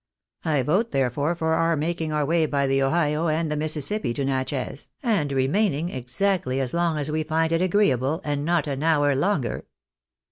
I vote, therefore, for our making our way by the Ohio and the Mississippi to Natchez, and remaining exactly as long as we find it agreeable, and not an hour longer."